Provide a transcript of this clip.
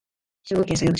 兵庫県佐用町